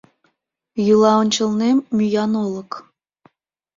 Йӱла ончылнем мӱян олык.